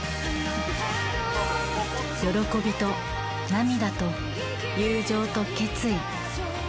喜びと涙と友情と決意。